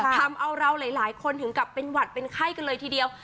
ทำเอาเราหลายคนถึงกลับเป็นหวัดเป็นไข้กันเลยทีเดียว